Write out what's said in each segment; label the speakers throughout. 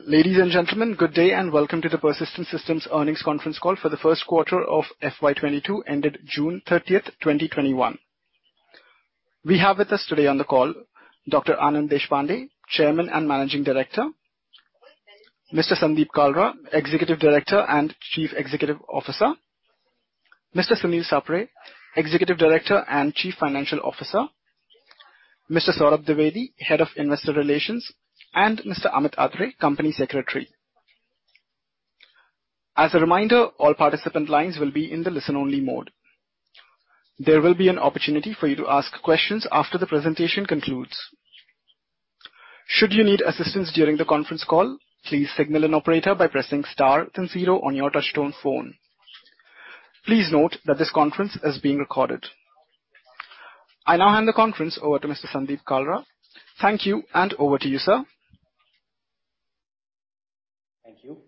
Speaker 1: Ladies and gentlemen, good day and welcome to the Persistent Systems earnings conference call for the first quarter of FY 2022 ended June 30th, 2021. We have with us today on the call Dr. Anand Deshpande, Chairman and Managing Director. Mr. Sandeep Kalra, Executive Director and Chief Executive Officer. Mr. Sunil Sapre, Executive Director and Chief Financial Officer, Mr. Saurabh Dwivedi, Head of Investor Relations, and Mr. Amit Atre, Company Secretary. As a reminder, all participant lines will be in the listen-only mode. There will be an opportunity for you to ask questions after the presentation concludes. Should you need assistance during the conference call, please signal an operator by pressing star then zero on your touch-tone phone. Please note that this conference is being recorded. I now hand the conference over to Mr. Sandeep Kalra. Thank you, and over to you, sir.
Speaker 2: Thank you.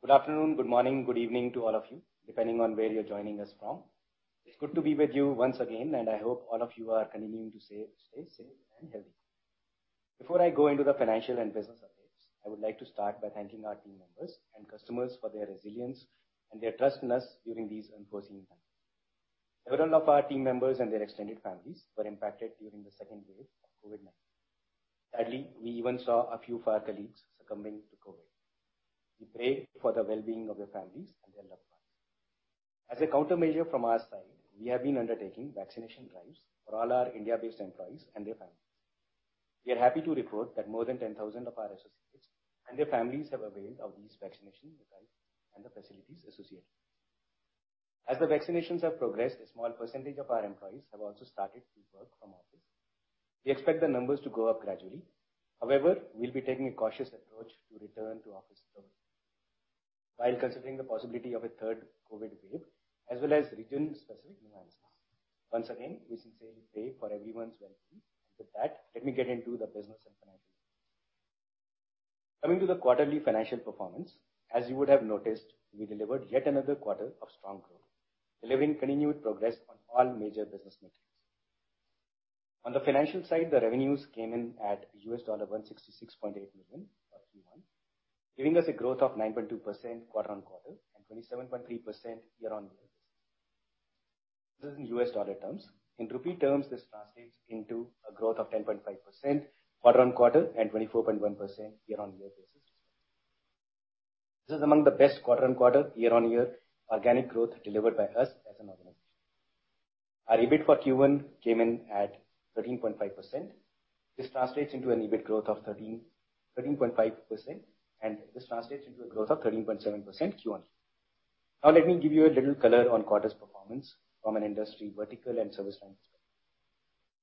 Speaker 2: Good afternoon, good morning, good evening to all of you, depending on where you're joining us from. It's good to be with you once again, and I hope all of you are continuing to stay safe and healthy. Before I go into the financial and business updates, I would like to start by thanking our team members and customers for their resilience and their trust in us during these unforeseen times. Several of our team members and their extended families were impacted during the second wave of COVID-19. Sadly, we even saw a few of our colleagues succumbing to COVID. We pray for the well-being of their families and their loved ones. As a countermeasure from our side, we have been undertaking vaccination drives for all our India-based employees and their families. We are happy to report that more than 10,000 of our associates and their families have availed of these vaccination drives and the facilities associated. As the vaccinations have progressed, a small percentage of our employees have also started to work from office. We expect the numbers to go up gradually. However, we'll be taking a cautious approach to return to office fully, while considering the possibility of a third COVID wave, as well as region-specific nuances. Once again, we sincerely pray for everyone's well-being. With that, let me get into the business and financial updates. Coming to the quarterly financial performance. As you would have noticed, we delivered yet another quarter of strong growth, delivering continued progress on all major business metrics. On the financial side, the revenues came in at US$166.8 million for Q1, giving us a growth of 9.2% quarter-over-quarter and 27.3% year-over-year basis. This is in US dollar terms. In rupee terms, this translates into a growth of 10.5% quarter-over-quarter and 24.1% year-over-year basis. This is among the best quarter-over-quarter, year-over-year organic growth delivered by us as an organization. Our EBIT for Q1 came in at 13.5%. This translates into an EBIT growth of 13.5%, and this translates into a growth of 13.7% Q1. Now let me give you a little color on quarter's performance from an industry vertical and service line perspective.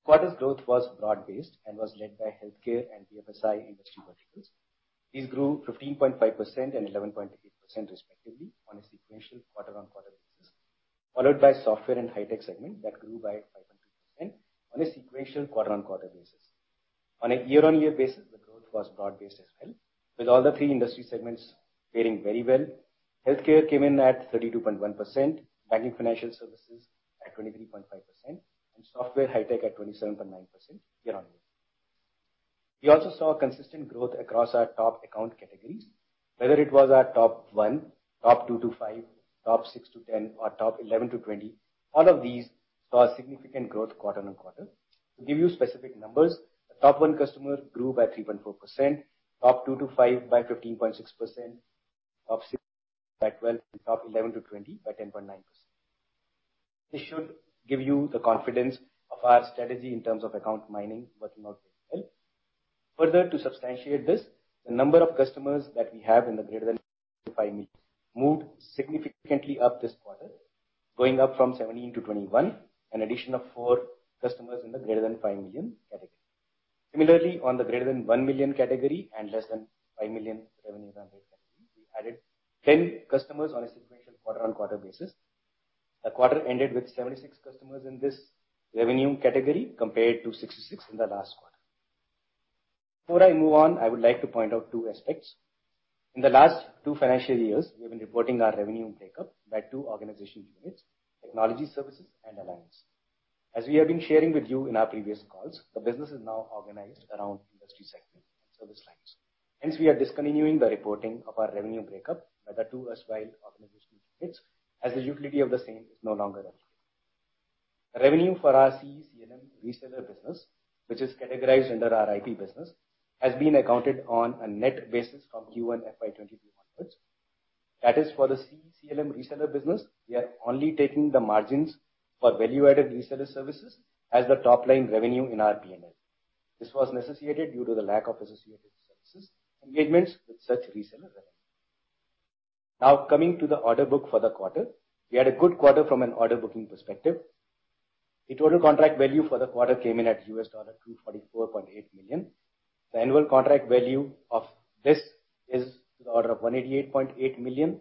Speaker 2: Quarter's growth was broad-based and was led by healthcare and BFSI industry verticals. These grew 15.5% and 11.8% respectively on a sequential quarter-over-quarter basis. Followed by software and high tech segment that grew by[ 5.2%] on a sequential quarter-on-quarter basis. On a year-on-year basis, the growth was broad based as well, with all the three industry segments faring very well. Healthcare came in at 32.1%, banking financial services at 23.5%, and software high tech at 27.9% year-on-year. We also saw consistent growth across our top account categories, whether it was our top one, top two to five, top six to 10, or top 11 to 20, all of these saw significant growth quarter-on-quarter. To give you specific numbers, the top one customer grew by 3.4%, top two to five by 15.6%, top 6 by 12%, and top 11 to 20 by 10.9%. This should give you the confidence of our strategy in terms of account mining working out very well. Further to substantiate this, the number of customers that we have in the greater than $5 million moved significantly up this quarter, going up from 17 to 21, an addition of four customers in the greater than $5 million category. Similarly, on the greater than $1 million category and less than $5 million revenue category, we added 10 customers on a sequential quarter-on-quarter basis. The quarter ended with 76 customers in this revenue category compared to 66 in the last quarter. Before I move on, I would like to point out two aspects. In the last two financial years, we have been reporting our revenue breakup by two organization units, Technology Services and Alliance. As we have been sharing with you in our previous calls, the business is now organized around industry segments and service lines. We are discontinuing the reporting of our revenue breakup by the two erstwhile organization units, as the utility of the same is no longer relevant. Revenue for our CE/CLM reseller business, which is categorized under our IT business, has been accounted on a net basis from Q1 FY22 onwards. For the CE/CLM reseller business, we are only taking the margins for value-added reseller services as the top-line revenue in our P&L. This was necessitated due to the lack of associated services engagements with such reseller revenue. Coming to the order book for the quarter. We had a good quarter from an order booking perspective. The total contract value for the quarter came in at $244.8 million. The annual contract value of this is to the order of $188.8 million.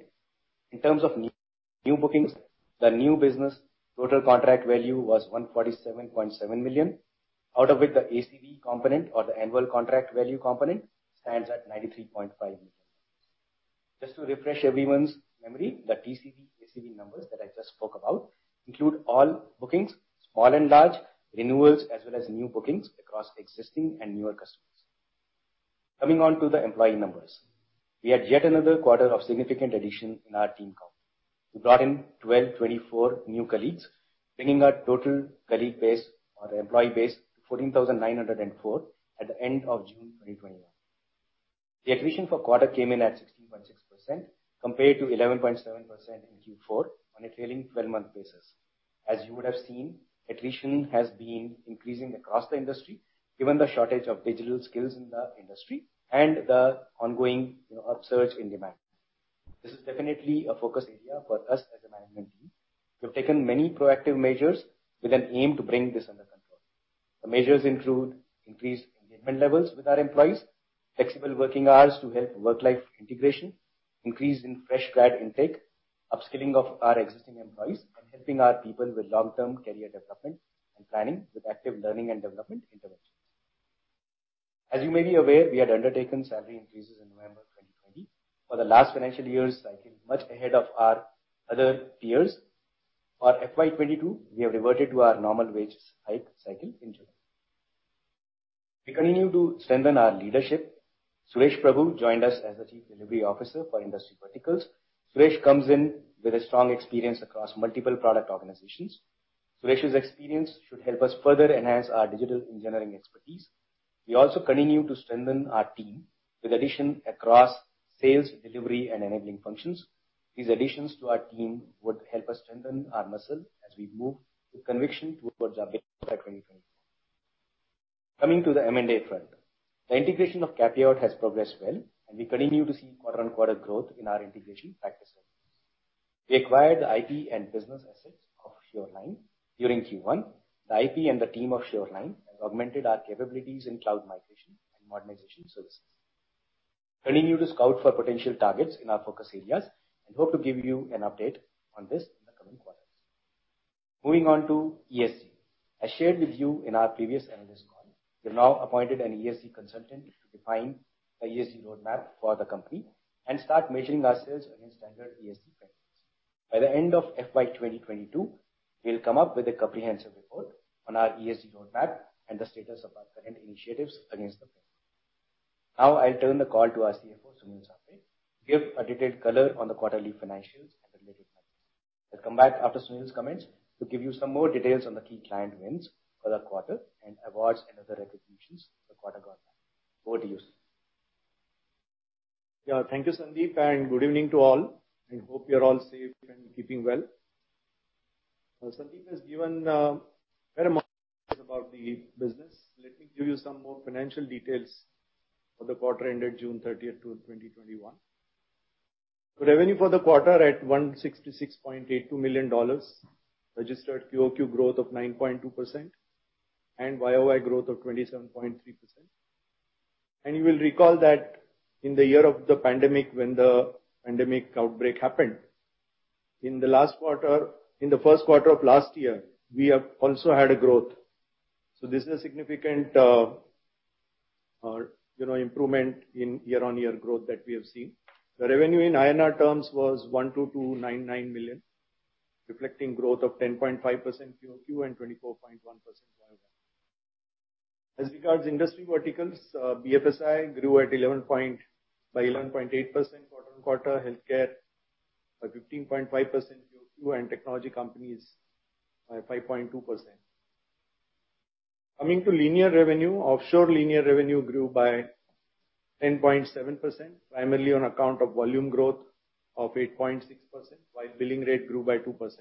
Speaker 2: In terms of new bookings, the new business total contract value was $147.7 million, out of which the ACV component or the annual contract value component stands at $93.5 million. Just to refresh everyone's memory, the TCV, ACV numbers that I just spoke about include all bookings, small and large, renewals, as well as new bookings across existing and newer customers. Coming onto the employee numbers. We had yet another quarter of significant addition in our team count. We brought in 1,224 new colleagues, bringing our total colleague base or the employee base to 14,904 at the end of June 2021. The attrition for quarter came in at 16.6%, compared to 11.7% in Q4 on a trailing 12-month basis. As you would have seen, attrition has been increasing across the industry, given the shortage of digital skills in the industry and the ongoing upsurge in demand. This is definitely a focus area for us as a management team. We have taken many proactive measures with an aim to bring this under control. The measures include increased engagement levels with our employees, flexible working hours to help work-life integration, increase in fresh grad intake, upskilling of our existing employees, and helping our people with long-term career development and planning with active learning and development interventions. As you may be aware, we had undertaken salary increases in November 2020 for the last financial year cycle, much ahead of our other peers. For FY 2022, we have reverted to our normal wage hike cycle in July. We continue to strengthen our leadership. Suresh Prabhu joined us as the Chief Delivery Officer for industry verticals. Suresh comes in with a strong experience across multiple product organizations. Suresh's experience should help us further enhance our digital engineering expertise. We also continue to strengthen our team with addition across sales, delivery, and enabling functions. These additions to our team would help us strengthen our muscle as we move with conviction towards. Coming to the M&A front. The integration of CAPIOT has progressed well, and we continue to see quarter-on-quarter growth in our integration practices. We acquired the IP and business assets of Sureline Systems during Q1. The IP and the team of Sureline Systems have augmented our capabilities in cloud migration and modernization services. Continuing to scout for potential targets in our focus areas and hope to give you an update on this in the coming quarters. Moving on to ESG. As shared with you in our previous analyst call, we have now appointed an ESG consultant to define the ESG roadmap for the company and start measuring ourselves against standard ESG practices. By the end of FY 2022, we'll come up with a comprehensive report on our ESG roadmap and the status of our current initiatives against the same. I turn the call to our CFO, Sunil Sapre, to give a detailed color on the quarterly financials and the related matters. I'll come back after Sunil's comments to give you some more details on the key client wins for the quarter and awards and other recognitions the quarter got us. Over to you, Sunil.
Speaker 3: Thank you, Sandeep, and good evening to all. I hope you're all safe and keeping well. Sandeep has given a fair amount about the business. Let me give you some more financial details for the quarter ended June 30th, 2021. Revenue for the quarter at $166.82 million, registered QOQ growth of 9.2% and YOY growth of 27.3%. You will recall that in the year of the pandemic, when the pandemic outbreak happened, in the first quarter of last year, we have also had a growth. This is a significant improvement in year-on-year growth that we have seen. The revenue in INR terms was 12,299 million, reflecting growth of 10.5% QOQ and 24.1% YOY. As regards industry verticals, BFSI grew by 11.8% quarter-on-quarter, healthcare by 15.5% QOQ, and technology companies by 5.2%. Coming to linear revenue. Offshore linear revenue grew by 10.7%, primarily on account of volume growth of 8.6%, while billing rate grew by 2%.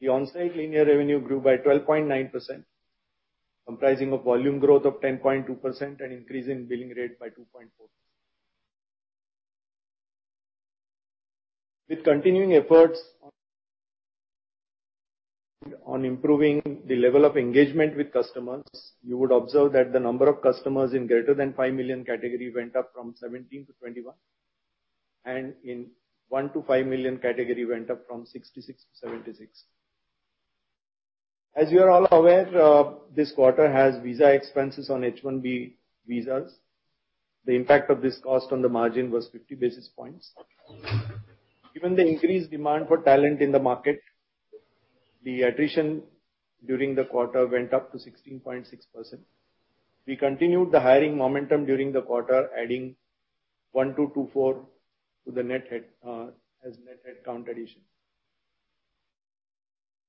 Speaker 3: The onsite linear revenue grew by 12.9%, comprising of volume growth of 10.2% and increase in billing rate by 2.4%. With continuing efforts on improving the level of engagement with customers, you would observe that the number of customers in greater than $5 million category went up from 17 to 21. In $1 million to $5 million category went up from 66 to 76. As you are all aware, this quarter has visa expenses on H-1B visas. The impact of this cost on the margin was 50 basis points. Given the increased demand for talent in the market, the attrition during the quarter went up to 16.6%. We continued the hiring momentum during the quarter, adding 1,224 as net head count addition.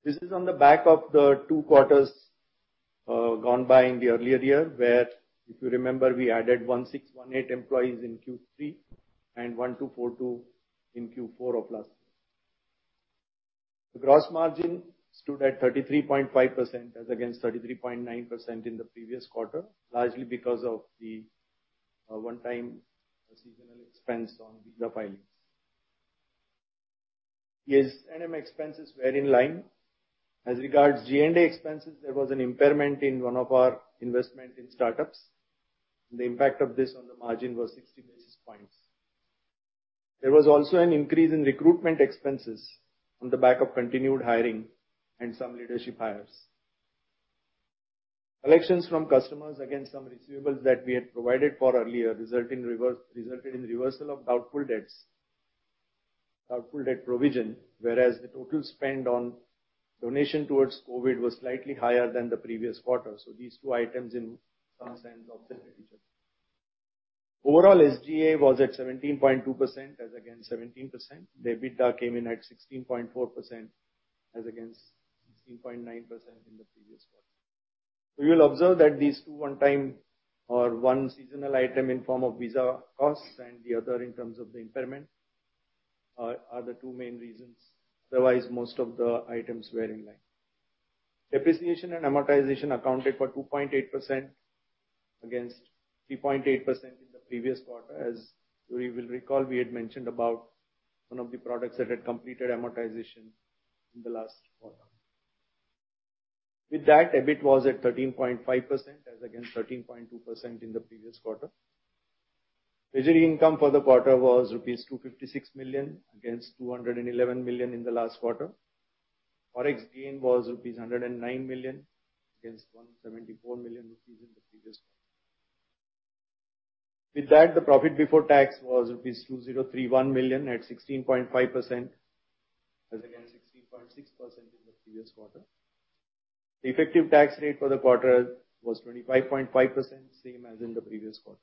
Speaker 3: This is on the back of the two quarters gone by in the earlier year, where, if you remember, we added 1,618 employees in Q3 and 1,242 in Q4 of last year. The gross margin stood at 33.5% as against 33.9% in the previous quarter, largely because of the one-time seasonal expense on visa filings. Yes, SG&A expenses were in line. As regards G&A expenses, there was an impairment in one of our investment in startups. The impact of this on the margin was 60 basis points. There was also an increase in recruitment expenses on the back of continued hiring and some leadership hires. Collections from customers against some receivables that we had provided for earlier, resulted in reversal of doubtful debts. Doubtful debt provision, whereas the total spend on donation towards COVID was slightly higher than the previous quarter. These two items in some sense offset each other. Overall, SG&A was at 17.2% as against 17%. The EBITDA came in at 16.4% as against 16.9% in the previous quarter. You will observe that these two one-time or one seasonal item in form of visa costs and the other in terms of the impairment are the two main reasons. Otherwise, most of the items were in line. Depreciation and amortization accounted for 2.8% against 3.8% in the previous quarter. As you will recall, we had mentioned about one of the products that had completed amortization in the last quarter. With that, EBIT was at 13.5% as against 13.2% in the previous quarter. Treasury income for the quarter was rupees 256 million against 211 million in the last quarter. Forex gain was rupees 109 million against 174 million rupees in the previous quarter. The profit before tax was rupees 2,031 million at 16.5% as against 16.6% in the previous quarter. The effective tax rate for the quarter was 25.5%, same as in the previous quarter.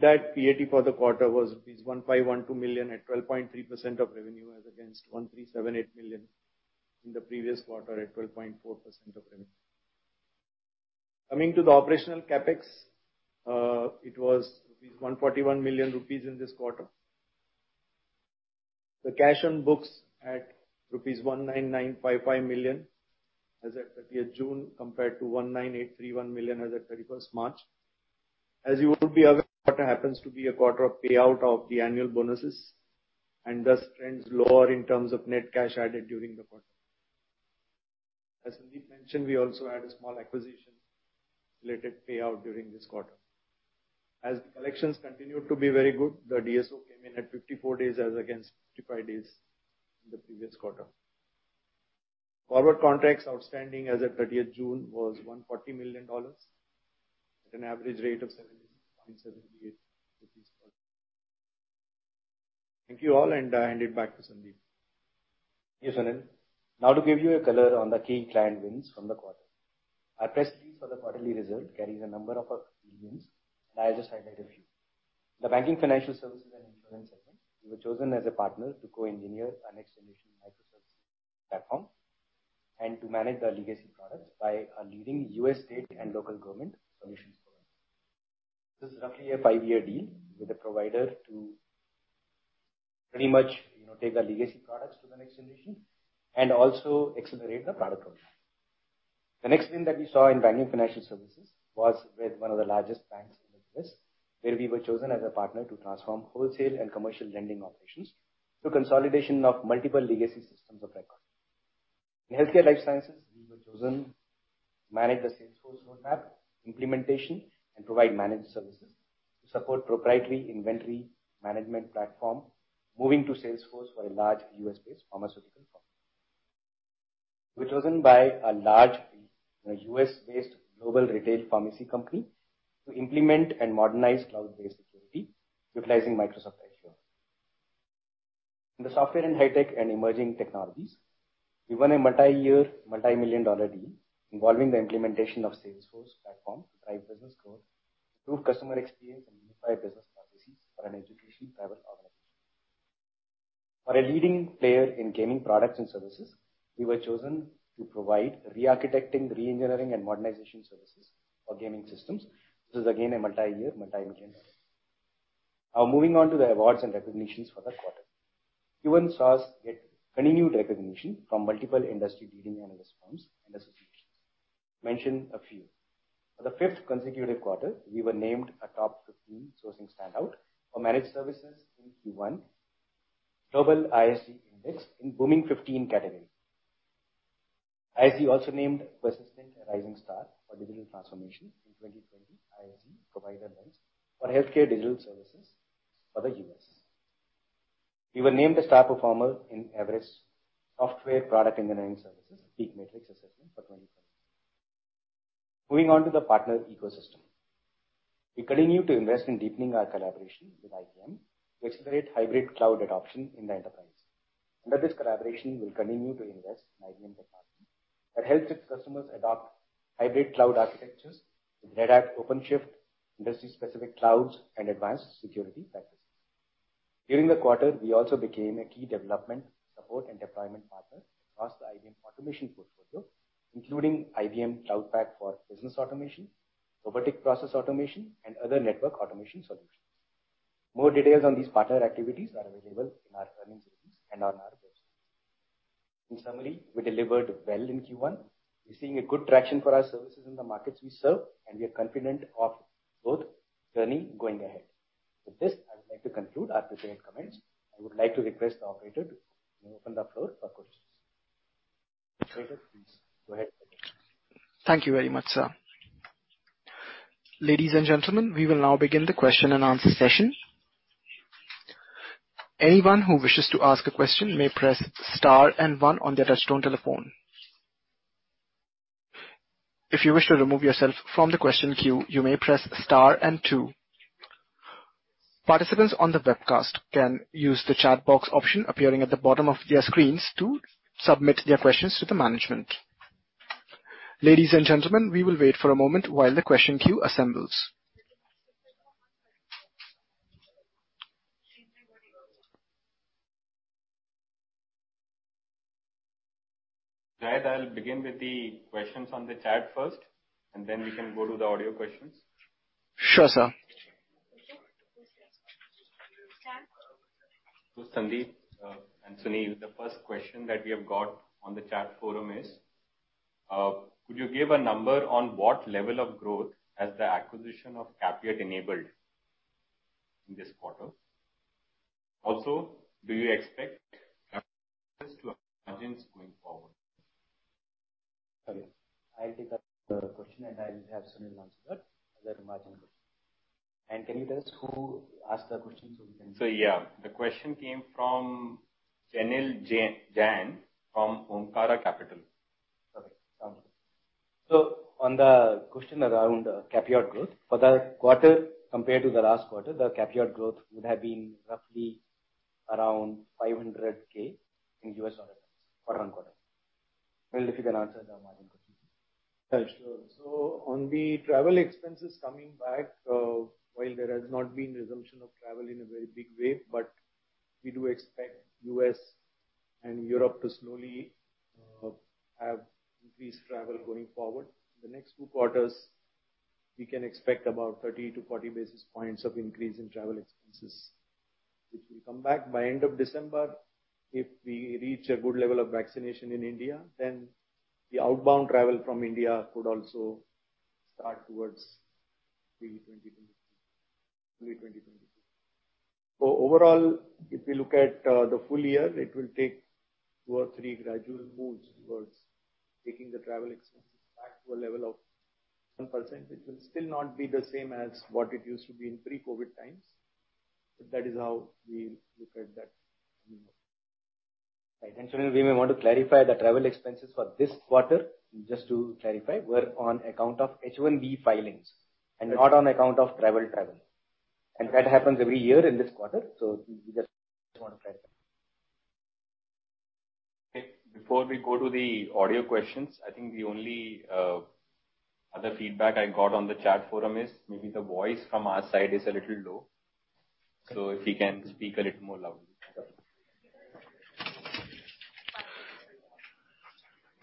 Speaker 3: PAT for the quarter was rupees 1,512 million at 12.3% of revenue, as against 1,378 million in the previous quarter at 12.4% of revenue. Coming to the operational CapEx. It was 141 million rupees in this quarter. The cash on books at rupees 199.55 million as at 30th June, compared to 198.31 million as at 31st March. As you would be aware, the quarter happens to be a quarter of payout of the annual bonuses and thus trends lower in terms of net cash added during the quarter. As Sandeep mentioned, we also had a small acquisition-related payout during this quarter. As the collections continued to be very good, the DSO came in at 54 days as against 55 days in the previous quarter. Forward contracts outstanding as at 30th June was $140 million at an average rate of 70.78 rupees. Thank you all, and I hand it back to Sandeep.
Speaker 2: Yes. Now to give you a color on the key client wins from the quarter. Our press release for the quarterly result carries a number of our key wins, and I'll just highlight a few. The banking, financial services, and insurance segment. We were chosen as a partner to co-engineer a next generation microservices platform and to manage the legacy products by a leading U.S. state and local government solutions provider. This is roughly a five-year deal with the provider to pretty much take the legacy products to the next generation and also accelerate the product roadmap. The next win that we saw in banking financial services was with one of the largest banks in the West, where we were chosen as a partner to transform wholesale and commercial lending operations through consolidation of multiple legacy systems of record. In healthcare life sciences, we were chosen to manage the Salesforce roadmap implementation and provide managed services to support proprietary inventory management platform, moving to Salesforce for a large U.S.-based pharmaceutical company. We were chosen by a large U.S.-based global retail pharmacy company to implement and modernize cloud-based security utilizing Microsoft Azure. In the software and high tech and emerging technologies, we won a multi-year, multi-million dollar deal involving the implementation of Salesforce platform to drive business growth, improve customer experience, and unify business processes for an education travel organization. For a leading player in gaming products and services, we were chosen to provide rearchitecting, re-engineering, and modernization services for gaming systems. This is again a multi-year, multi-million dollar deal. Moving on to the awards and recognitions for the quarter. Q1 saw us get continued recognition from multiple industry leading analyst firms and associations. Mention a few. For the fifth consecutive quarter, we were named a top 15 sourcing standout for managed services in Q1 Global ISG Index in Booming 15 category. ISG also named Persistent a rising star for digital transformation in 2020 ISG Provider Lens for healthcare digital services for the U.S. We were named a star performer in Everest Group software product engineering services PEAK Matrix assessment for 2020. Moving on to the partner ecosystem. We continue to invest in deepening our collaboration with IBM to accelerate hybrid cloud adoption in the enterprise. Under this collaboration, we'll continue to invest in IBM technologies that helps its customers adopt hybrid cloud architectures with Red Hat OpenShift, industry specific clouds, and advanced security practices. During the quarter, we also became a key development support and deployment partner across the IBM automation portfolio, including IBM Cloud Pak for business automation, robotic process automation, and other network automation solutions. More details on these partner activities are available in our earnings release and on our website. In summary, we delivered well in Q1. We're seeing a good traction for our services in the markets we serve, and we are confident of growth journey going ahead. With this, I would like to conclude our prepared comments. I would like to request the operator to open the floor for questions. Operator, please go ahead.
Speaker 1: Thank you very much, sir. Ladies and gentlemen, we will now begin the question-and-answer session. Anyone who wishes to ask a question may press Star and One on their touch-tone telephone. If you wish to remove yourself from the question queue, you may press Star and Two. Participants on the webcast can use the chat box option appearing at the bottom of their screens to submit their questions to the management. Ladies and gentlemen, we will wait for a moment while the question queue assembles.
Speaker 4: Right. I will begin with the questions on the chat first, and then we can go to the audio questions.
Speaker 1: Sure, sir.
Speaker 4: Okay. San. Sandeep, Sunil, the first question that we have got on the chat forum is, could you give a number on what level of growth has the acquisition of CAPIOT enabled in this quarter? Also, do you expect going forward?
Speaker 2: Okay. I'll take that question, and I'll have Sunil answer that margin question.
Speaker 4: Yeah. The question came from [Janil Jain] from Omkara Capital.
Speaker 2: Okay. Sounds good. On the question around CAPIOT growth for the quarter compared to the last quarter, the CAPIOT growth would have been roughly around $500,000 quarter-on-quarter. If you can answer the margin question.
Speaker 3: Yeah, sure. On the travel expenses coming back, while there has not been resumption of travel in a very big way, but we do expect U.S. and Europe to slowly have increased travel going forward. The next two quarters, we can expect about 30 to 40 basis points of increase in travel expenses, which will come back by end of December. If we reach a good level of vaccination in India, then the outbound travel from India could also start towards maybe 2023. Overall, if we look at the full year, it will take two or three gradual moves towards taking the travel expenses back to a level of 1%, which will still not be the same as what it used to be in pre-COVID times. That is how we look at that moving forward.
Speaker 2: Right. Sunil, we may want to clarify the travel expenses for this quarter, just to clarify, were on account of H-1B filings and not on account of travel. That happens every year in this quarter. We just want to clarify.
Speaker 4: Okay. Before we go to the audio questions, I think the only other feedback I got on the chat forum is maybe the voice from our side is a little low. If we can speak a little more loudly.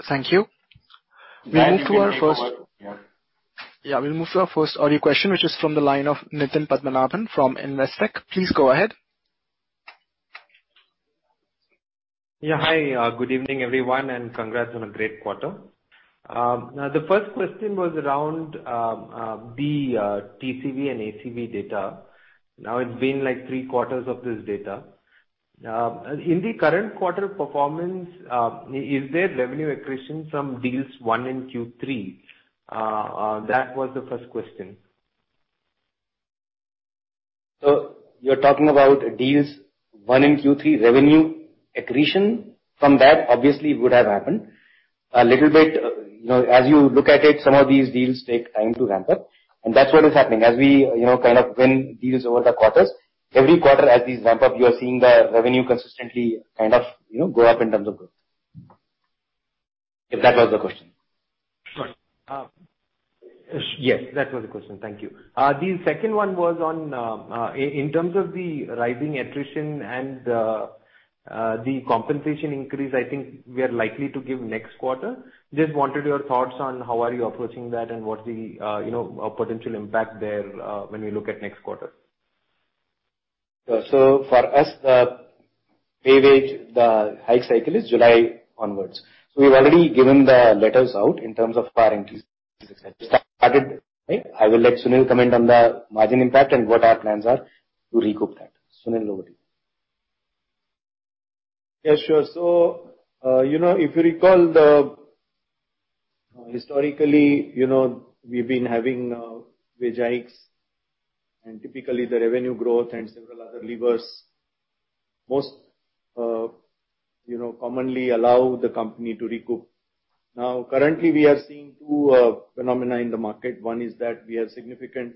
Speaker 1: Thank you. We'll move to our first- Yeah. Yeah. We'll move to our first audio question, which is from the line of Nitin Padmanabhan from Investec. Please go ahead.
Speaker 5: Hi, good evening, everyone, and congrats on a great quarter. The first question was around the TCV and ACV data. It's been three quarters of this data. In the current quarter performance, is there revenue accretion from deals won in Q3? That was the first question.
Speaker 2: You're talking about deals won and Q3 revenue accretion from that obviously would have happened. A little bit, as you look at it, some of these deals take time to ramp up, and that's what is happening. As we win deals over the quarters, every quarter as these ramp up, you are seeing the revenue consistently go up in terms of growth. If that was the question?
Speaker 5: Sure. Yes, that was the question. Thank you. The second one was on, in terms of the rising attrition and the compensation increase, I think we are likely to give next quarter. Just wanted your thoughts on how are you approaching that and what the potential impact there when we look at next quarter.
Speaker 2: For us, the pay wage, the hike cycle is July onwards. We've already given the letters out in terms of our increases, et cetera. Started. I will let Sunil comment on the margin impact and what our plans are to recoup that. Sunil, over to you.
Speaker 3: Yeah, sure. If you recall the historically, we've been having wage hikes and typically the revenue growth and several other levers, most commonly allow the company to recoup. Currently, we are seeing two phenomena in the market. One is that we have significant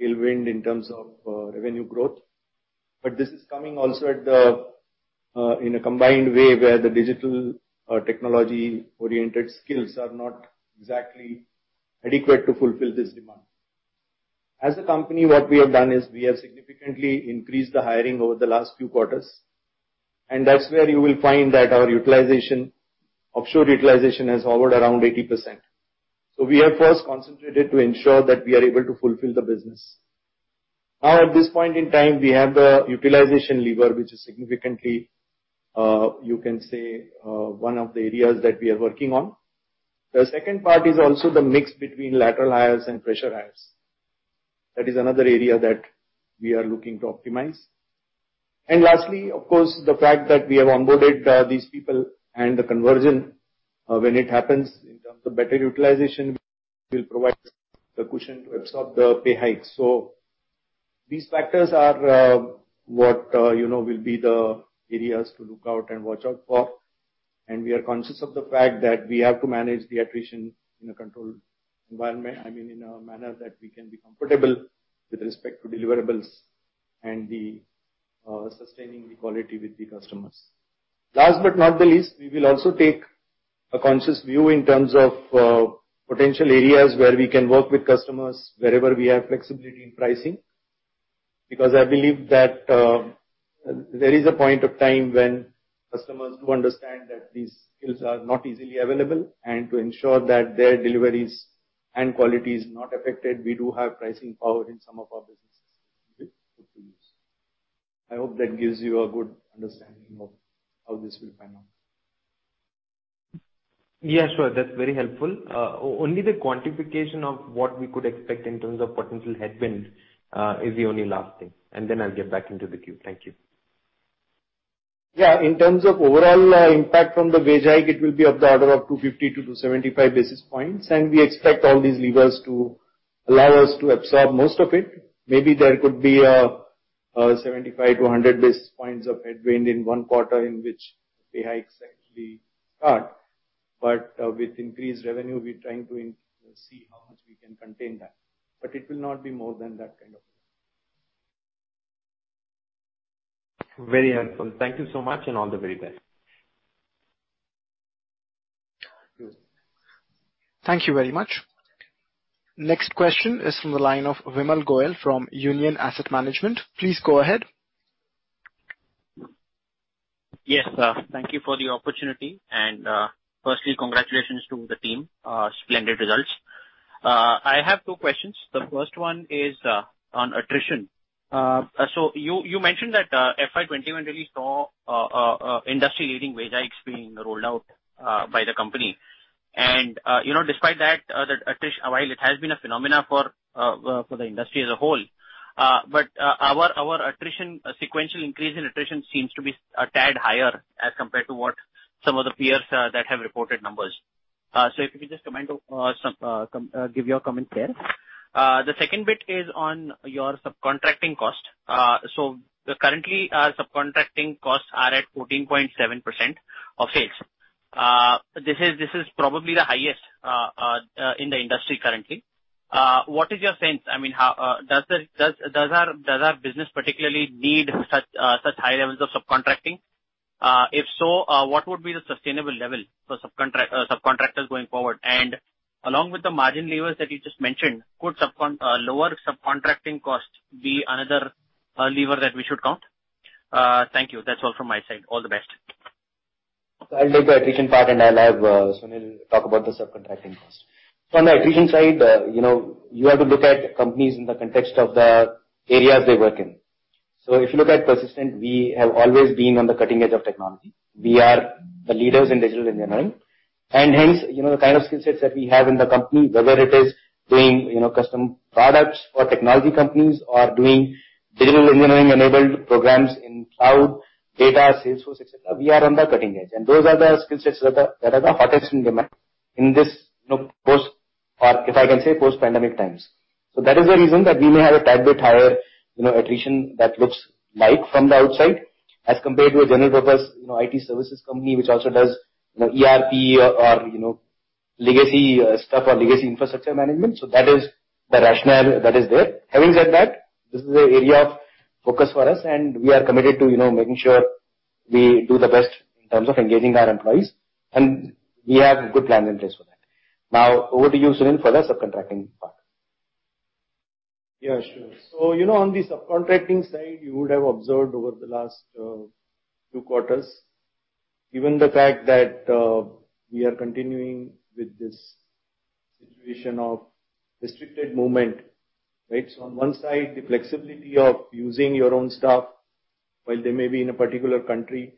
Speaker 3: tailwind in terms of revenue growth, but this is coming also in a combined way where the digital technology-oriented skills are not exactly adequate to fulfill this demand. As a company, what we have done is we have significantly increased the hiring over the last few quarters, and that's where you will find that our offshore utilization has hovered around 80%. We have first concentrated to ensure that we are able to fulfill the business. At this point in time, we have the utilization lever, which is significantly, you can say, one of the areas that we are working on. The second part is also the mix between lateral hires and fresher hires. That is another area that we are looking to optimize. Lastly, of course, the fact that we have onboarded these people and the conversion When it happens, in terms of better utilization, we'll provide the cushion to absorb the pay hike. These factors are what will be the areas to look out and watch out for, and we are conscious of the fact that we have to manage the attrition in a controlled environment, in a manner that we can be comfortable with respect to deliverables and sustaining the quality with the customers. Last but not the least, we will also take a conscious view in terms of potential areas where we can work with customers wherever we have flexibility in pricing. I believe that there is a point of time when customers do understand that these skills are not easily available, and to ensure that their deliveries and quality is not affected, we do have pricing power in some of our businesses which we put to use. I hope that gives you a good understanding of how this will pan out.
Speaker 5: Yeah, sure. That's very helpful. Only the quantification of what we could expect in terms of potential headwinds is the only last thing, and then I'll get back into the queue. Thank you.
Speaker 2: Yeah. In terms of overall impact from the wage hike, it will be of the order of 250-275 basis points, and we expect all these levers to allow us to absorb most of it. Maybe there could be a 75-100 basis points of headwind in 1 quarter in which the hikes actually start. With increased revenue, we're trying to see how much we can contain that. It will not be more than that kind of.
Speaker 5: Very helpful. Thank you so much, and all the very best.
Speaker 2: Thank you.
Speaker 1: Thank you very much. Next question is from the line of Vimal Gohil from Union Asset Management. Please go ahead.
Speaker 6: Yes. Thank you for the opportunity. Firstly, congratulations to the team. Splendid results. I have two questions. The first one is on attrition. You mentioned that FY 2021 really saw industry-leading wage hikes being rolled out by the company. Despite that, while it has been a phenomenon for the industry as a whole, our attrition, sequential increase in attrition seems to be a tad higher as compared to what some of the peers that have reported numbers. If you could just give your comment there. The second bit is on your subcontracting cost. Currently, our subcontracting costs are at 14.7% of sales. This is probably the highest in the industry currently. What is your sense? Does our business particularly need such high levels of subcontracting? If so, what would be the sustainable level for subcontractors going forward? Along with the margin levers that you just mentioned, could lower subcontracting costs be another lever that we should count? Thank you. That's all from my side. All the best.
Speaker 2: I'll take the attrition part, and I'll have Sunil talk about the subcontracting cost. On the attrition side, you have to look at companies in the context of the areas they work in. If you look at Persistent, we have always been on the cutting edge of technology. We are the leaders in digital engineering, hence the kind of skill sets that we have in the company, whether it is doing custom products for technology companies or doing digital engineering-enabled programs in cloud data, Salesforce, et cetera, we are on the cutting edge, those are the skill sets that are the hottest in demand in this post, or if I can say, post-pandemic times. That is the reason that we may have a tad bit higher attrition that looks like from the outside as compared to a general purpose IT services company, which also does ERP or legacy stuff or legacy infrastructure management. That is the rationale that is there. Having said that, this is an area of focus for us, and we are committed to making sure we do the best in terms of engaging our employees, and we have good plans in place for that. Now over to you, Sunil, for the subcontracting part. Yeah, sure. On the subcontracting side, you would have observed over the last two quarters, given the fact that we are continuing with this situation of restricted movement, right? On one side, the flexibility of using your own staff while they may be in a particular country,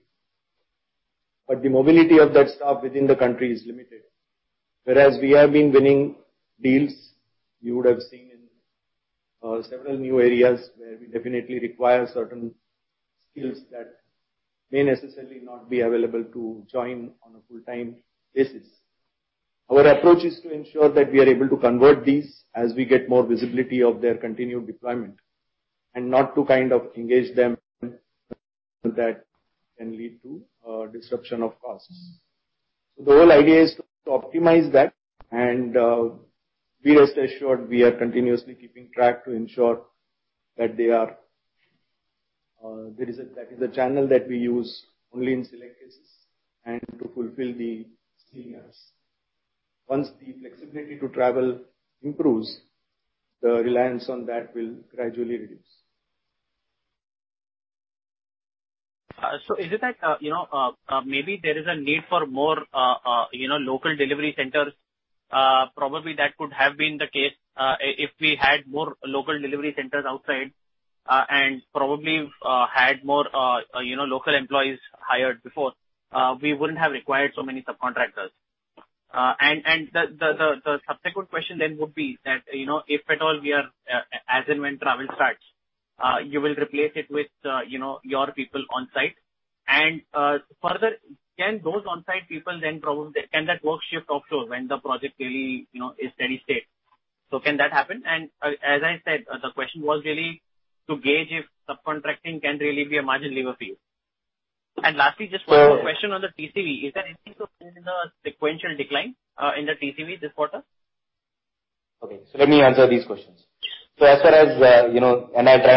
Speaker 2: but the mobility of that staff within the country is limited. We have been winning deals, you would have seen in several new areas where we definitely require certain skills that may necessarily not be available to join on a full-time basis. Our approach is to ensure that we are able to convert these as we get more visibility of their continued deployment, and not to engage them that can lead to a disruption of costs. The whole idea is to optimize that, and be rest assured, we are continuously keeping track to ensure that is a channel that we use only in select cases and to fulfill the skill gaps. Once the flexibility to travel improves, the reliance on that will gradually reduce.
Speaker 6: Is it that maybe there is a need for more local delivery centers? Probably that could have been the case if we had more local delivery centers outside and probably had more local employees hired before, we wouldn't have required so many subcontractors. The subsequent question then would be that if at all we are, as and when travel starts, you will replace it with your people on-site? Further, can those on-site people then probably, can that work shift offshore when the project really is steady state? Can that happen? As I said, the question was really to gauge if subcontracting can really be a margin lever for you. Lastly, just one more question on the TCV. Is there anything to fill in the sequential decline in the TCV this quarter?
Speaker 2: Okay. Let me answer these questions. I'll try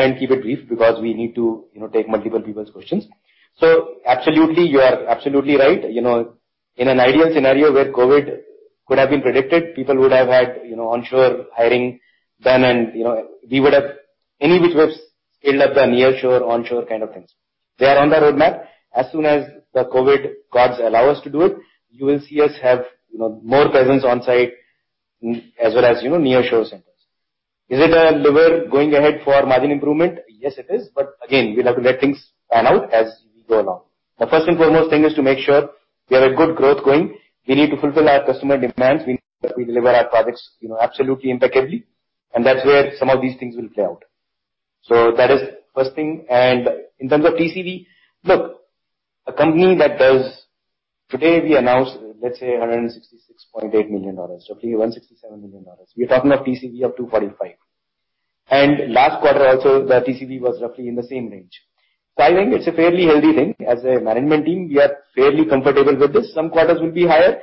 Speaker 2: and keep it brief because we need to take multiple people's questions. Absolutely, you are absolutely right. In an ideal scenario where COVID could have been predicted, people would have had onshore hiring done and we would have any which ways scaled up the nearshore, onshore kind of things. They are on the roadmap. As soon as the COVID gods allow us to do it, you will see us have more presence on-site as well as nearshore centers. Is it a lever going ahead for margin improvement? Yes, it is. Again, we'll have to let things pan out as we go along. The first and foremost thing is to make sure we have a good growth going. We need to fulfill our customer demands. We deliver our projects absolutely impeccably. That's where some of these things will play out. That is first thing. In terms of TCV, look, a company that does today we announced, let's say, $166.8 million, roughly $167 million. We're talking of TCV of $245. Last quarter also, the TCV was roughly in the same range. I think it's a fairly healthy thing. As a management team, we are fairly comfortable with this. Some quarters will be higher.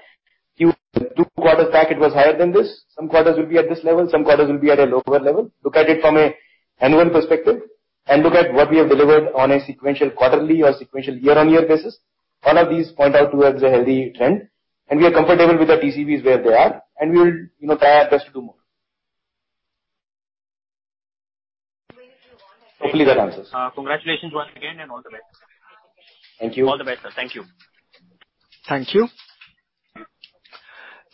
Speaker 2: Two quarters back it was higher than this. Some quarters will be at this level. Some quarters will be at a lower level. Look at it from an annual perspective, and look at what we have delivered on a sequential quarterly or sequential year-on-year basis. All of these point out towards a healthy trend, and we are comfortable with the TCVs where they are, and we will try our best to do more. Hopefully that answers.
Speaker 6: Congratulations once again, and all the best.
Speaker 2: Thank you.
Speaker 6: All the best, sir. Thank you.
Speaker 1: Thank you.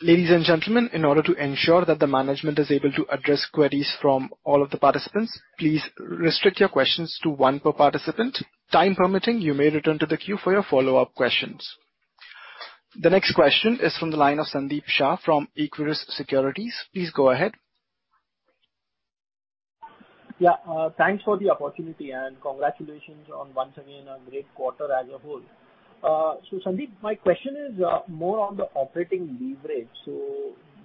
Speaker 1: Ladies and gentlemen, in order to ensure that the management is able to address queries from all of the participants, please restrict your questions to one per participant. Time permitting, you may return to the queue for your follow-up questions. The next question is from the line of Sandeep Shah from Equirus Securities. Please go ahead.
Speaker 7: Yeah. Thanks for the opportunity and congratulations once again on a great quarter as a whole. Sandeep, my question is more on the operating leverage.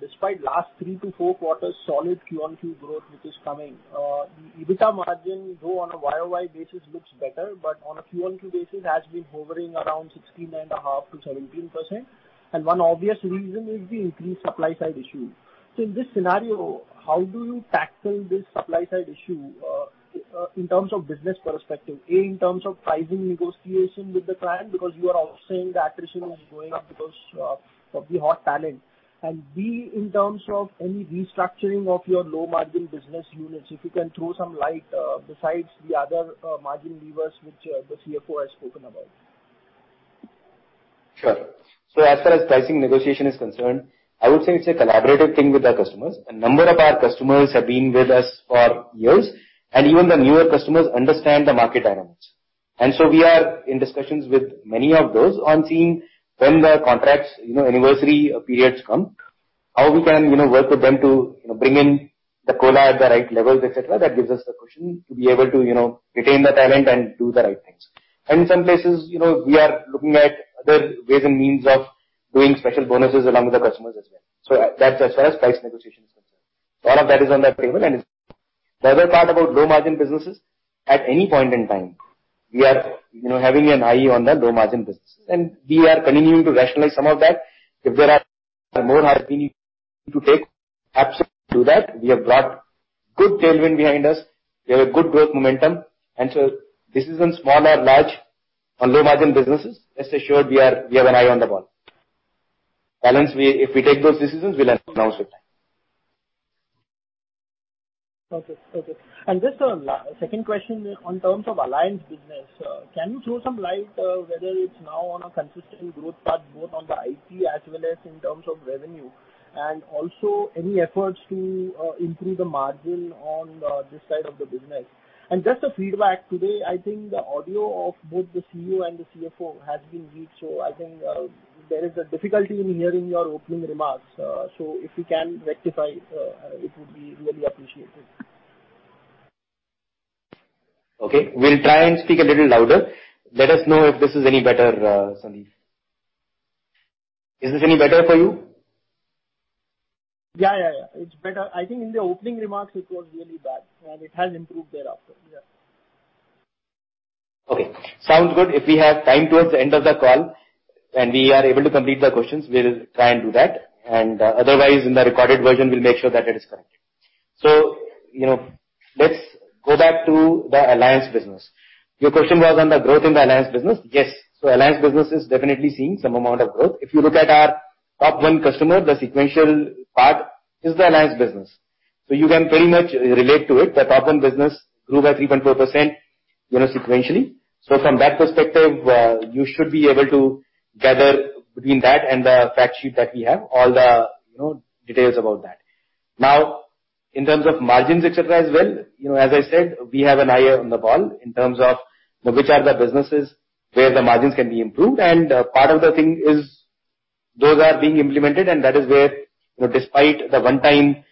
Speaker 7: Despite last three-four quarters solid QOQ growth which is coming, the EBITDA margin, though on a YOY basis looks better, but on a QOQ basis has been hovering around 16.5%-17%. One obvious reason is the increased supply-side issue. In this scenario, how do you tackle this supply-side issue in terms of business perspective? A. in terms of pricing negotiation with the client, because you are saying the attrition is going up because of the hot talent. B. in terms of any restructuring of your low-margin business units. If you can throw some light besides the other margin levers which the Chief Financial Officer has spoken about.
Speaker 2: Sure. As far as pricing negotiation is concerned, I would say it's a collaborative thing with our customers. A number of our customers have been with us for years, and even the newer customers understand the market dynamics. We are in discussions with many of those on seeing when the contracts anniversary periods come, how we can work with them to bring in the COLA at the right levels, et cetera. That gives us the cushion to be able to retain the talent and do the right things. In some places, we are looking at other ways and means of doing special bonuses along with the customers as well. That's as far as price negotiation is concerned. All of that is on the table. The other part about low-margin businesses, at any point in time, we are having an eye on the low-margin businesses, and we are continuing to rationalize some of that. If there are more hard to take, absolutely do that. We have brought good tailwind behind us. We have a good growth momentum. Decisions, small or large, on low-margin businesses, rest assured we have an eye on the ball. Balance sheet, if we take those decisions, we'll announce with time.
Speaker 7: Okay. Just a second question on terms of alliance business. Can you throw some light whether it's now on a consistent growth path, both on the IT as well as in terms of revenue? Also any efforts to improve the margin on this side of the business. Just a feedback, today, I think the audio of both the CEO and the CFO has been weak, so I think there is a difficulty in hearing your opening remarks. If you can rectify, it would be really appreciated.
Speaker 2: Okay. We'll try and speak a little louder. Let us know if this is any better, Sandeep. Is this any better for you?
Speaker 7: Yeah. It is better. I think in the opening remarks it was really bad. It has improved thereafter. Yeah.
Speaker 2: Okay. Sounds good. If we have time towards the end of the call and we are able to complete the questions, we'll try and do that. Otherwise, in the recorded version, we'll make sure that it is corrected. Let's go back to the alliance business. Your question was on the growth in the alliance business. Yes. Alliance business is definitely seeing some amount of growth. If you look at our top one customer, the sequential part is the alliance business. You can very much relate to it. The top one business grew by 3.4% sequentially. From that perspective, you should be able to gather between that and the fact sheet that we have, all the details about that. In terms of margins, et cetera, as well, as I said, we have an eye on the ball in terms of which are the businesses where the margins can be improved, and part of the thing is those are being implemented, and that is where, despite the one-time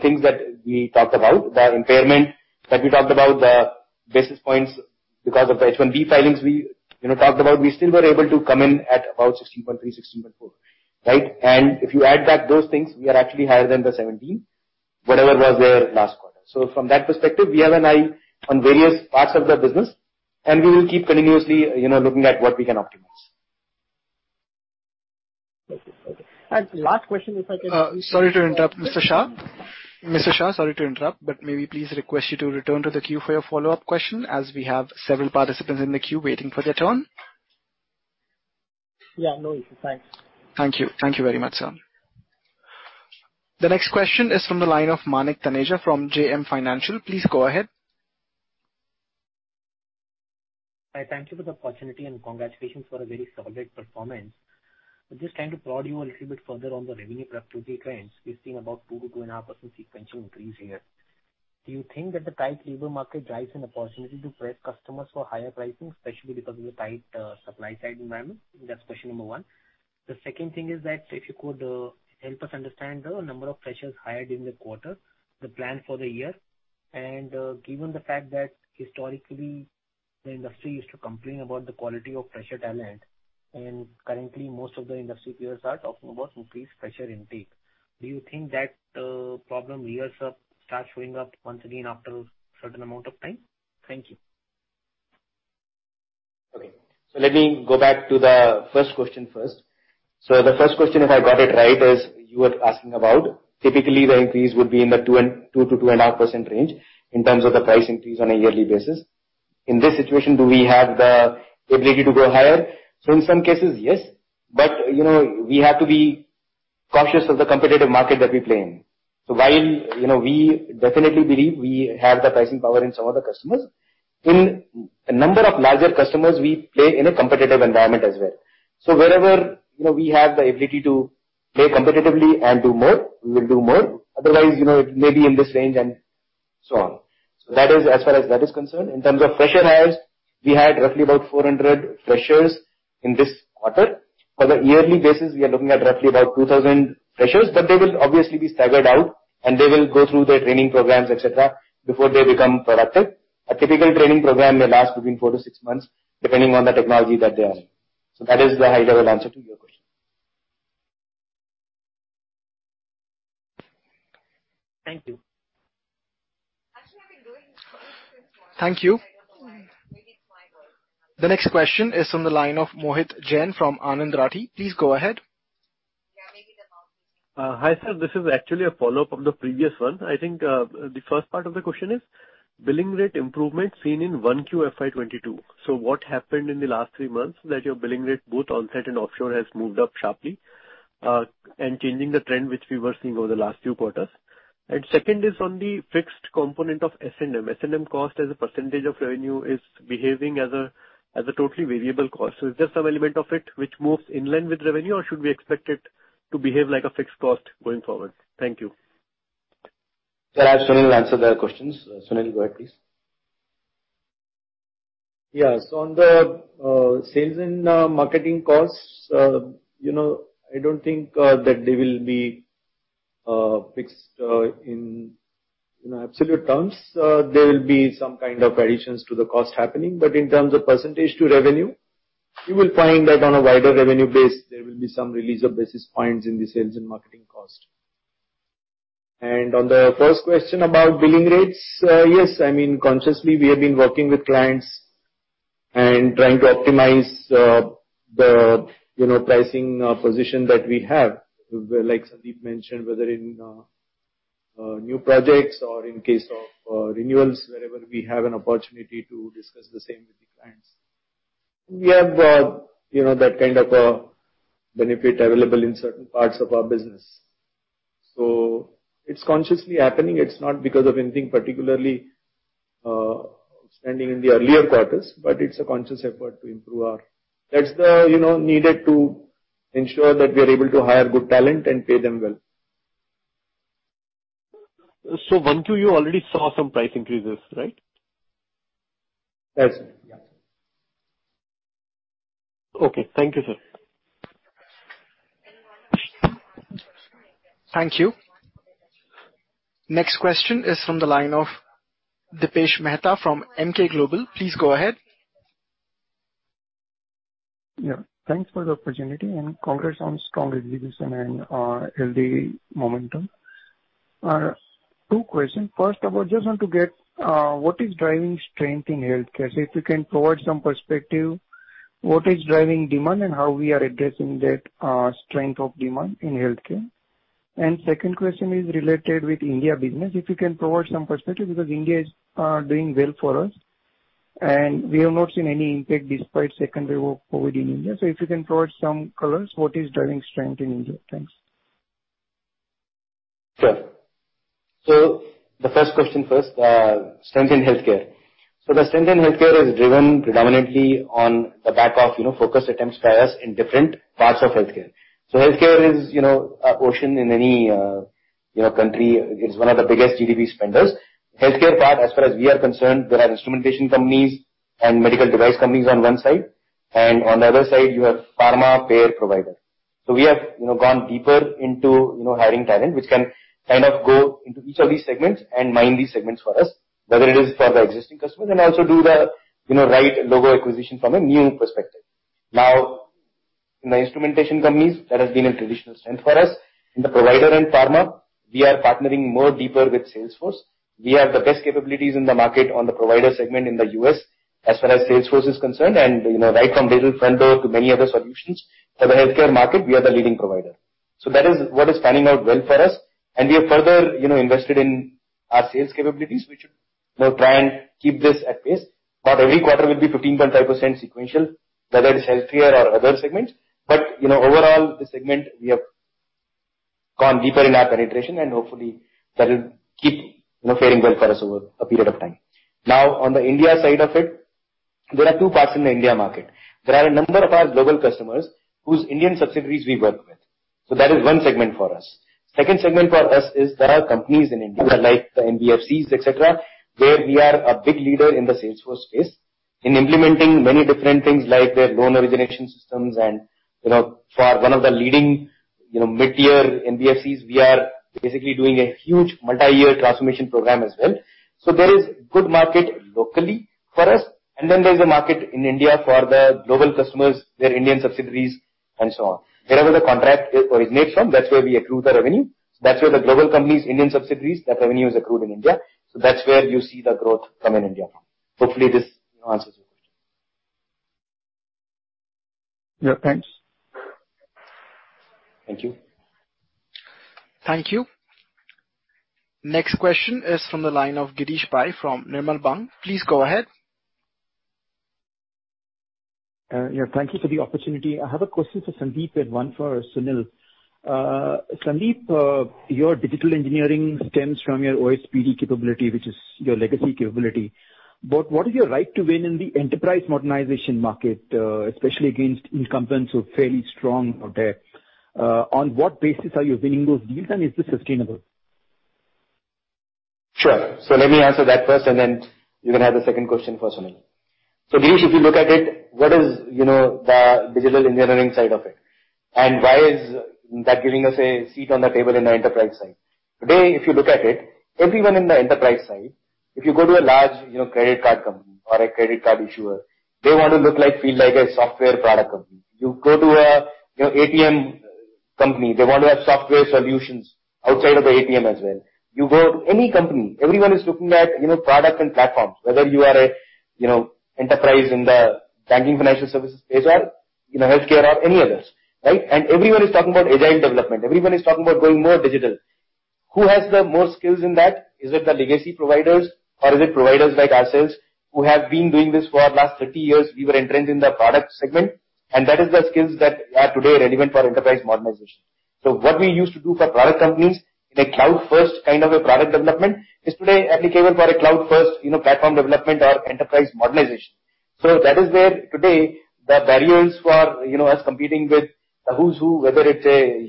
Speaker 2: things that we talked about, the impairment that we talked about, the basis points because of the H-1B filings we talked about, we still were able to come in at about 16.3%, 16.4%. If you add back those things, we are actually higher than the 17% whatever was there last quarter. From that perspective, we have an eye on various parts of the business, and we will keep continuously looking at what we can optimize.
Speaker 7: Okay. Last question.
Speaker 1: Sorry to interrupt, Mr. Shah. May we please request you to return to the queue for your follow-up question as we have several participants in the queue waiting for their turn?
Speaker 7: Yeah, no issue. Thanks.
Speaker 1: Thank you. Thank you very much, sir. The next question is from the line of Manik Taneja from JM Financial. Please go ahead.
Speaker 8: Hi. Thank you for the opportunity and congratulations for a very solid performance. I'm just trying to prod you a little bit further on the revenue productivity trends. We've seen about 2% to 2.5% sequential increase here. Do you think that the tight labor market drives an opportunity to press customers for higher pricing, especially because of the tight supply side environment? That's question number one. The second thing is that if you could help us understand the number of freshers hired in the quarter, the plan for the year, given the fact that historically, the industry used to complain about the quality of fresher talent, and currently most of the industry peers are talking about increased fresher intake. Do you think that problem rears up, starts showing up once again after a certain amount of time? Thank you.
Speaker 2: Okay. Let me go back to the first question first. The first question, if I got it right, is you were asking about typically the increase would be in the 2%-2.5% range in terms of the price increase on a yearly basis. In this situation, do we have the ability to go higher? In some cases, yes. We have to be cautious of the competitive market that we play in. While we definitely believe we have the pricing power in some of the customers, in a number of larger customers, we play in a competitive environment as well. Wherever we have the ability to play competitively and do more, we will do more. Otherwise, it may be in this range and so on. That is as far as that is concerned. In terms of freshers hired, we had roughly about 400 freshers in this quarter. For the yearly basis, we are looking at roughly about 2,000 freshers, but they will obviously be staggered out and they will go through their training programs, et cetera, before they become productive. A typical training program may last between four-six months, depending on the technology that they are in. That is the high-level answer to your question.
Speaker 8: Thank you.
Speaker 1: Thank you. The next question is from the line of Mohit Jain from Anand Rathi. Please go ahead.
Speaker 9: Hi, sir. This is actually a follow-up of the previous one. I think the first part of the question is billing rate improvement seen in 1Q FY 2022. What happened in the last three months that your billing rate both onsite and offshore has moved up sharply, and changing the trend which we were seeing over the last few quarters? Second is on the fixed component of S&M. S&M cost as a percentage of revenue is behaving as a totally variable cost. Is there some element of it which moves in line with revenue, or should we expect it to behave like a fixed cost going forward? Thank you.
Speaker 2: Sir, Sunil will answer the questions. Sunil, go ahead, please.
Speaker 3: Yeah. On the sales and marketing costs, I don't think that they will be fixed in absolute terms. There will be some kind of additions to the cost happening, but in terms of percentage to revenue, you will find that on a wider revenue base, there will be some release of basis points in the sales and marketing cost. On the first question about billing rates, yes, consciously we have been working with clients and trying to optimize the pricing position that we have. Like Sandeep mentioned, whether in new projects or in case of renewals, wherever we have an opportunity to discuss the same with the clients. We have that kind of a benefit available in certain parts of our business. It's consciously happening. It's not because of anything particularly expanding in the earlier quarters, but it's a conscious effort to improve. That's needed to ensure that we are able to hire good talent and pay them well.
Speaker 9: 1Q, you already saw some price increases, right?
Speaker 3: Yes.
Speaker 9: Okay. Thank you, sir.
Speaker 1: Thank you. Next question is from the line of Dipesh Mehta from Emkay Global. Please go ahead.
Speaker 10: Yeah. Thanks for the opportunity, congrats on strong releases and healthy momentum. Two questions. First of all, just want to get what is driving strength in healthcare. If you can provide some perspective, what is driving demand and how we are addressing that strength of demand in healthcare. Second question is related with India business, if you can provide some perspective, because India is doing well for us, and we have not seen any impact despite second wave of COVID in India. If you can provide some colors, what is driving strength in India? Thanks.
Speaker 2: Sure. The first question first, strength in healthcare. The strength in healthcare is driven predominantly on the back of focus attempts by us in different parts of healthcare. Healthcare is a portion. In our country, it's one of the biggest GDP spenders. Healthcare part, as far as we are concerned, there are instrumentation companies and medical device companies on one side, and on the other side you have pharma payer provider. We have gone deeper into hiring talent, which can kind of go into each of these segments and mine these segments for us, whether it is for the existing customer and also do the right logo acquisition from a new perspective. In the instrumentation companies, that has been a traditional strength for us. In the provider and pharma, we are partnering more deeper with Salesforce. We have the best capabilities in the market on the provider segment in the U.S. as far as Salesforce is concerned. Right from digital front door to many other solutions for the healthcare market, we are the leading provider. That is what is panning out well for us. We have further invested in our sales capabilities. We should now try and keep this at pace, every quarter will be 15.5% sequential, whether it's healthcare or other segments. Overall, the segment, we have gone deeper in our penetration, hopefully that will keep fairing well for us over a period of time. Now, on the India side of it, there are two parts in the India market. There are a number of our global customers whose Indian subsidiaries we work with. That is one segment for us. Second segment for us is there are companies in India like the NBFCs, et cetera, where we are a big leader in the Salesforce space in implementing many different things like their loan origination systems and for one of the leading mid-tier NBFCs, we are basically doing a huge multi-year transformation program as well. There is good market locally for us, and then there's a market in India for the global customers, their Indian subsidiaries and so on. Wherever the contract originates from, that's where we accrue the revenue. That's where the global companies, Indian subsidiaries, that revenue is accrued in India. That's where you see the growth coming in India from. Hopefully this answers your question.
Speaker 10: Yeah, thanks.
Speaker 2: Thank you.
Speaker 1: Thank you. Next question is from the line of Girish Pai from Nirmal Bang. Please go ahead.
Speaker 11: Yeah, thank you for the opportunity. I have a question for Sandeep and one for Sunil. Sandeep, your digital engineering stems from your OSPD capability, which is your legacy capability. What is your right to win in the enterprise modernization market, especially against incumbents who are fairly strong out there? On what basis are you winning those deals, and is this sustainable?
Speaker 2: Sure. Let me answer that first, and then you can have the second question for Sunil. Girish, if you look at it, what is the digital engineering side of it, and why is that giving us a seat on the table in the enterprise side? Today, if you look at it, everyone in the enterprise side, if you go to a large credit card company or a credit card issuer, they want to look like, feel like a software product company. You go to a ATM company, they want to have software solutions outside of the ATM as well. You go to any company, everyone is looking at product and platforms, whether you are a enterprise in the banking financial services space or in healthcare or any others, right? Everyone is talking about agile development. Everyone is talking about going more digital. Who has the most skills in that? Is it the legacy providers or is it providers like ourselves who have been doing this for last 30 years? We were entering in the product segment, and that is the skills that are today relevant for enterprise modernization. What we used to do for product companies in a cloud-first kind of a product development is today applicable for a cloud-first platform development or enterprise modernization. That is where today the barriers for us competing with the who's who, whether it's a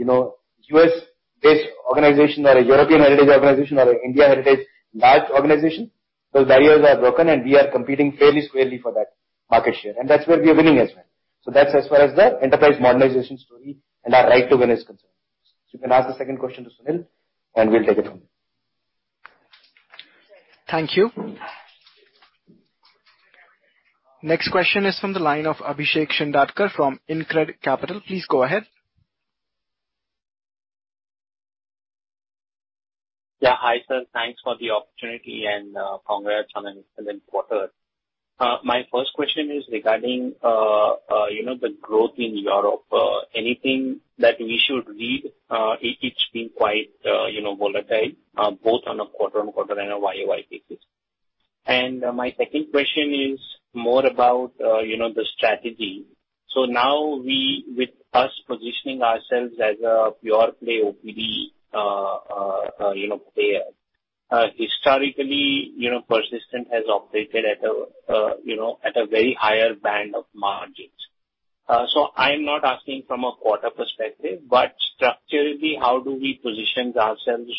Speaker 2: U.S.-based organization or a European-heritage organization or an India-heritage large organization, those barriers are broken, and we are competing fairly squarely for that market share, and that's where we are winning as well. That's as far as the enterprise modernization story and our right to win is concerned. You can ask the second question to Sunil, and we'll take it from there.
Speaker 1: Thank you. Next question is from the line of Abhishek Shindadkar from InCred Capital. Please go ahead.
Speaker 12: Yeah. Hi, sir. Thanks for the opportunity and congrats on an excellent quarter. My first question is regarding the growth in Europe. Anything that we should read? It's been quite volatile both on a quarter-on-quarter and a YOY basis. My second question is more about the strategy. Now with us positioning ourselves as a pure play OPD player. Historically, Persistent has operated at a very higher band of margins. I'm not asking from a quarter perspective, but structurally, how do we position ourselves,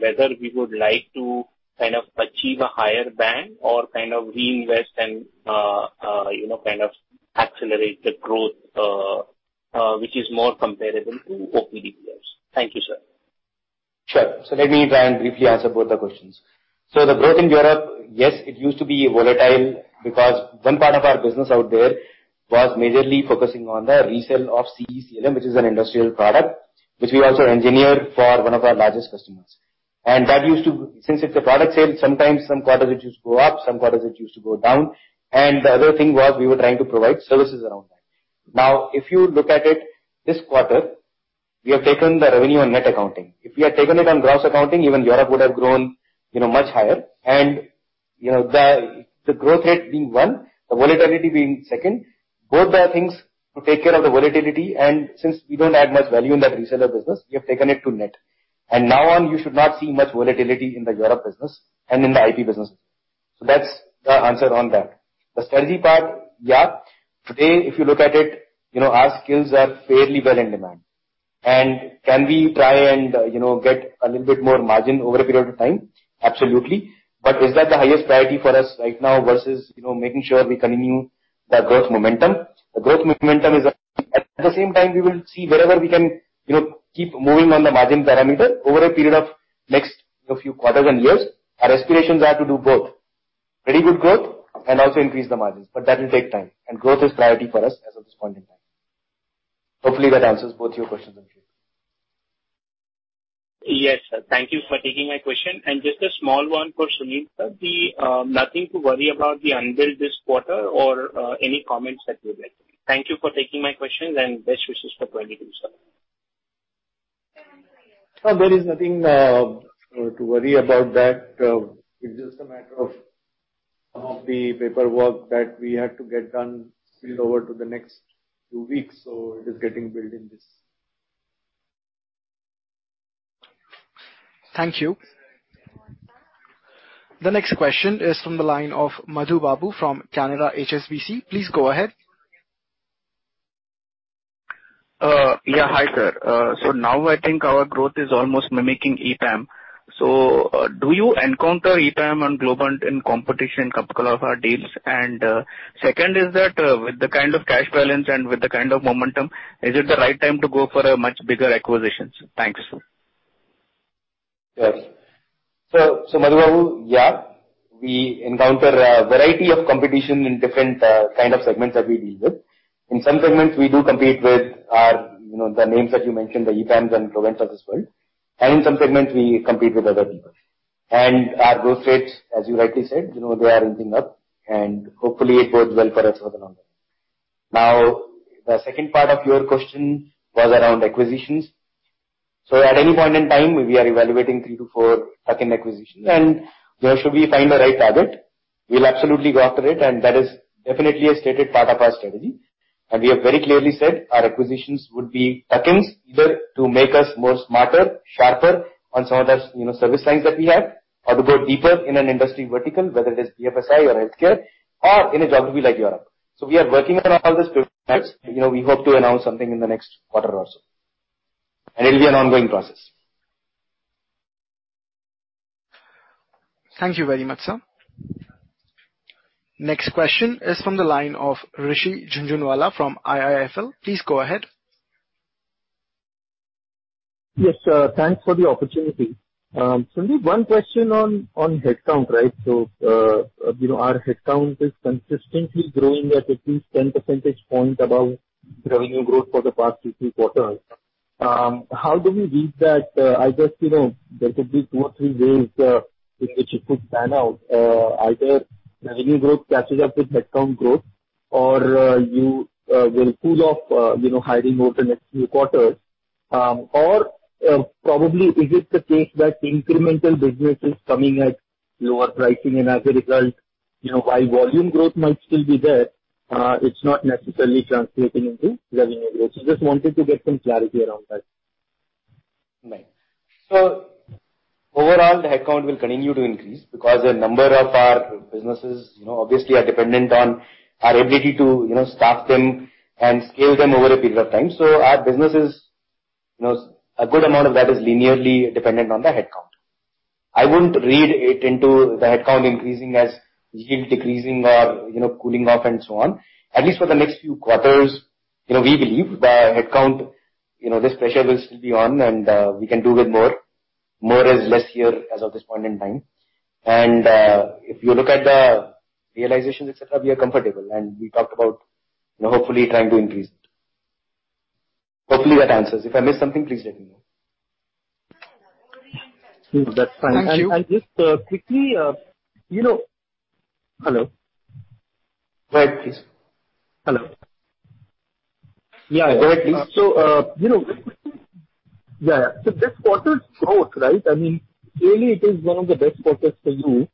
Speaker 12: whether we would like to kind of achieve a higher band or kind of reinvest and kind of accelerate the growth, which is more comparable to OPD players. Thank you, sir.
Speaker 2: Sure. Let me try and briefly answer both the questions. The growth in Europe, yes, it used to be volatile because one part of our business out there was majorly focusing on the resale of CE CLM, which is an industrial product which we also engineered for one of our largest customers. Since it's a product sale, sometimes some quarters it used to go up, some quarters it used to go down. The other thing was we were trying to provide services around that. If you look at it this quarter, we have taken the revenue on net accounting. If we had taken it on gross accounting, even Europe would have grown much higher. The growth rate being one, the volatility being second, both are things to take care of the volatility. Since we don't add much value in that reseller business, we have taken it to net. Now on, you should not see much volatility in the Europe business and in the IT business. That's the answer on that. The strategy part, yeah. Today, if you look at it, our skills are fairly well in demand. Can we try and get a little bit more margin over a period of time? Absolutely. Is that the highest priority for us right now versus making sure we continue the growth momentum? The growth momentum is up. At the same time, we will see wherever we can keep moving on the margin parameter over a period of next few quarters and years. Our aspirations are to do both. Very good growth and also increase the margins. That will take time, and growth is priority for us as of this point in time. Hopefully, that answers both your questions.
Speaker 12: Yes, sir. Thank you for taking my question. Just a small one for Sunil sir. Nothing to worry about the unbilled this quarter or any comments that you would like to make? Thank you for taking my questions and best wishes for sir.
Speaker 3: There is nothing to worry about that. It's just a matter of some of the paperwork that we had to get done spilled over to the next two weeks. It is getting billed in this.
Speaker 1: Thank you. The next question is from the line of Madhu Babu from Canara HSBC. Please go ahead.
Speaker 13: Yeah. Hi, sir. Now I think our growth is almost mimicking EPAM. Do you encounter EPAM and Globant in competition in couple of our deals? Second is that, with the kind of cash balance and with the kind of momentum, is it the right time to go for a much bigger acquisition? Thanks.
Speaker 2: Yes. Madhu Babu, yeah, we encounter a variety of competition in different kind of segments that we deal with. In some segments, we do compete with the names that you mentioned, the EPAMs and Globants of this world. In some segments, we compete with other people. Our growth rates, as you rightly said, they are inching up, and hopefully it bodes well for us going on. Now, the second part of your question was around acquisitions. At any point in time, we are evaluating three to four tuck-in acquisitions, and where should we find the right target, we'll absolutely go after it, and that is definitely a stated part of our strategy. We have very clearly said our acquisitions would be tuck-ins, either to make us more smarter, sharper on some of the service lines that we have or to go deeper in an industry vertical, whether it is BFSI or healthcare or in a geography like Europe. We are working on all these different fronts. We hope to announce something in the next quarter or so. It'll be an ongoing process.
Speaker 1: Thank you very much, sir. Next question is from the line of Rishi Jhunjhunwala from IIFL. Please go ahead.
Speaker 14: Yes, sir. Thanks for the opportunity. Sandeep, one question on headcount. Our headcount is consistently growing at least 10 percentage point above revenue growth for the past two, three quarters. How do we read that? I guess, there could be two or three ways in which it could pan out. Either revenue growth catches up with headcount growth or you will cool off hiring over the next few quarters. Probably, is it the case that incremental business is coming at lower pricing and as a result, while volume growth might still be there, it's not necessarily translating into revenue growth? Just wanted to get some clarity around that.
Speaker 2: Overall, the headcount will continue to increase because a number of our businesses obviously are dependent on our ability to staff them and scale them over a period of time. Our businesses, a good amount of that is linearly dependent on the headcount. I wouldn't read it into the headcount increasing as yield decreasing or cooling off and so on. At least for the next few quarters, we believe the headcount, this pressure will still be on, and we can do with more. More is less here as of this point in time. If you look at the realizations, et cetera, we are comfortable, and we talked about hopefully trying to increase it. Hopefully, that answers. If I missed something, please let me know.
Speaker 14: That's fine.
Speaker 1: Thank you.
Speaker 14: Just quickly- Hello?
Speaker 2: Go ahead, please.
Speaker 14: Hello.
Speaker 2: Yeah. Go ahead, please.
Speaker 14: This quarter's growth, really it is one of the best quarters for you.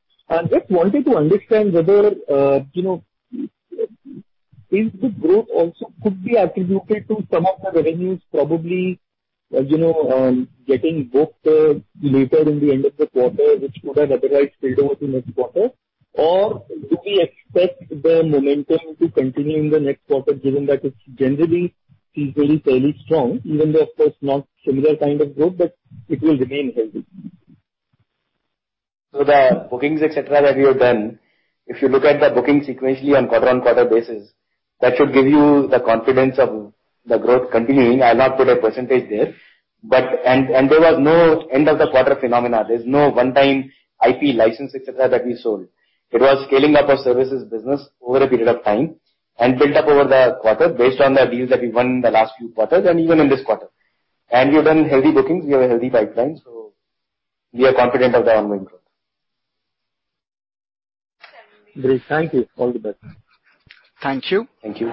Speaker 14: Just wanted to understand whether, if the growth also could be attributed to some of the revenues probably, getting booked later in the end of the quarter, which would have otherwise spilled over to next quarter? Do we expect the momentum to continue in the next quarter, given that it's generally, easily fairly strong, even though of course not similar kind of growth, but it will remain healthy?
Speaker 2: The bookings, et cetera, that we have done, if you look at the booking sequentially on a quarter-on-quarter basis, that should give you the confidence of the growth continuing. I'll not put a percentage there. There was no end of the quarter phenomena. There's no one-time IP license, et cetera, that we sold. It was scaling up our services business over a period of time and built up over the quarter based on the deals that we won in the last few quarters and even in this quarter. We have done healthy bookings. We have a healthy pipeline, so we are confident of the ongoing growth.
Speaker 14: Great. Thank you. All the best.
Speaker 1: Thank you.
Speaker 2: Thank you.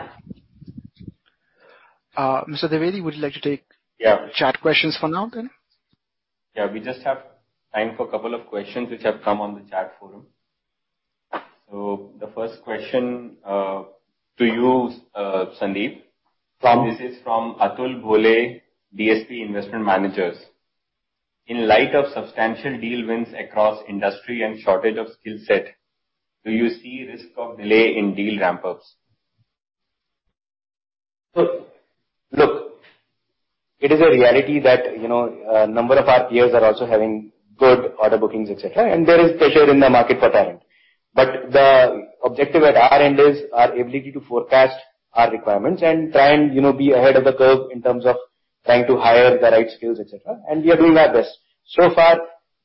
Speaker 1: Mr. Dwivedi would like to take.
Speaker 4: Yeah.
Speaker 1: Chat questions for now then?
Speaker 4: Yeah, we just have time for a couple of questions which have come on the chat forum. The first question to you, Sandeep.
Speaker 2: From?
Speaker 4: This is from Atul Bhole, DSP Investment Managers. In light of substantial deal wins across industry and shortage of skill set, do you see risk of delay in deal ramp-ups?
Speaker 2: It is a reality that a number of our peers are also having good order bookings, et cetera, and there is pressure in the market for talent. The objective at our end is our ability to forecast our requirements and try and be ahead of the curve in terms of trying to hire the right skills, et cetera. We are doing our best. So far,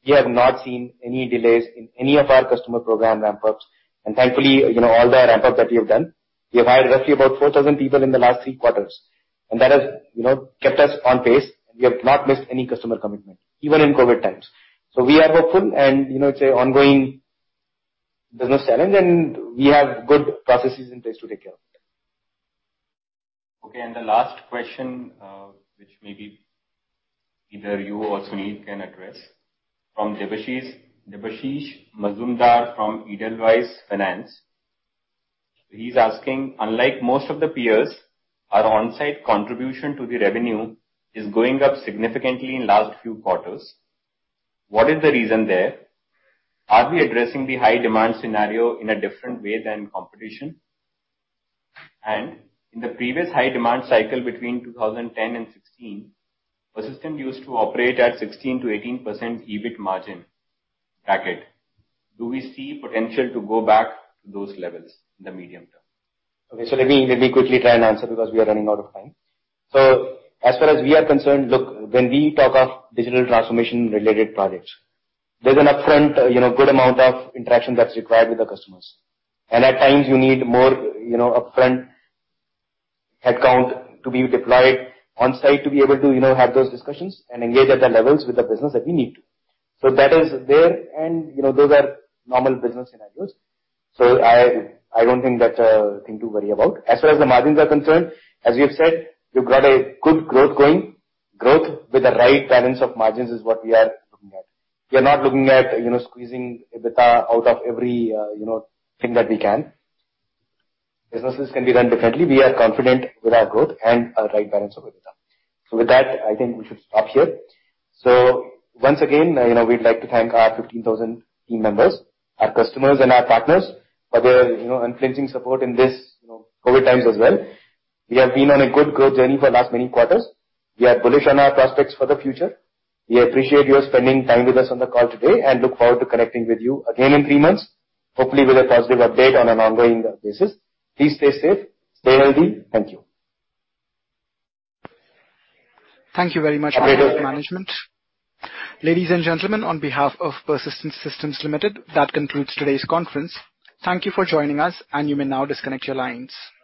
Speaker 2: we have not seen any delays in any of our customer program ramp-ups. Thankfully, all the ramp-ups that we have done, we have hired roughly about 4,000 people in the last three quarters. That has kept us on pace. We have not missed any customer commitment, even in COVID times. We are hopeful and it's an ongoing business challenge, and we have good processes in place to take care of it.
Speaker 4: The last question, which maybe either you or Sunil can address, from Debashish Mazumdar from Edelweiss Finance. He's asking, unlike most of the peers, our onsite contribution to the revenue is going up significantly in last few quarters. What is the reason there? Are we addressing the high demand scenario in a different way than competition? In the previous high demand cycle between 2010 and 2016, Persistent Systems used to operate at 16%-18% EBIT margin bracket. Do we see potential to go back to those levels in the medium term?
Speaker 2: Okay. Let me quickly try and answer because we are running out of time. As far as we are concerned, look, when we talk of digital transformation-related projects, there's an upfront good amount of interaction that's required with the customers. At times you need more upfront headcount to be deployed on-site to be able to have those discussions and engage at the levels with the business that we need to. That is there, and those are normal business scenarios. I don't think that's a thing to worry about. As far as the margins are concerned, as we have said, we've got a good growth going. Growth with the right balance of margins is what we are looking at. We are not looking at squeezing EBITDA out of everything that we can. Businesses can be run differently. We are confident with our growth and our right balance of EBITDA. With that, I think we should stop here. Once again, we'd like to thank our 15,000 team members, our customers, and our partners for their unflinching support in this COVID times as well. We have been on a good growth journey for last many quarters. We are bullish on our prospects for the future. We appreciate you spending time with us on the call today, and look forward to connecting with you again in three months, hopefully with a positive update on an ongoing basis. Please stay safe, stay healthy. Thank you.
Speaker 1: Thank you very much the management. Ladies and gentlemen, on behalf of Persistent Systems Limited, that concludes today's conference. Thank you for joining us, and you may now disconnect your lines.